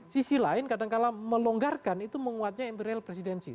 sisi lain kadang kadang melonggarkan itu menguatnya embrial presidensi